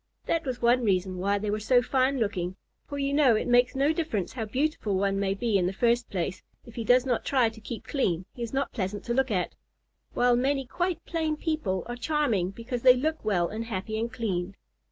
That was one reason why they were so fine looking, for you know it makes no difference how beautiful one may be in the first place, if he does not try to keep clean he is not pleasant to look at, while many quite plain people are charming because they look well and happy and clean.